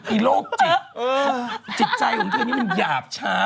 โรคจิตจิตใจของเธอนี่มันหยาบช้า